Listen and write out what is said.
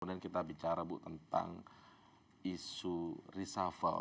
kemudian kita bicara bu tentang isu reshuffle